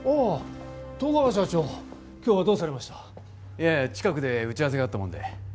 いや近くで打ち合わせがあったもんで。